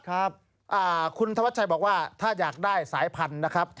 ครับคุณธวัชชัยบอกว่าถ้าอยากได้สายพันธุ์นะครับ